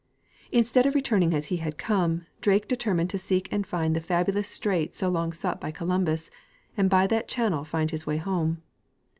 Instead of returning as he had come, Drake determined to seek and find the fabulous strait so long sought by Columbus, and by that channel to find his way home.